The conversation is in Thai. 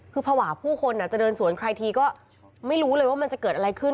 คือภาวะผู้คนจะเดินสวนใครทีก็ไม่รู้เลยว่ามันจะเกิดอะไรขึ้น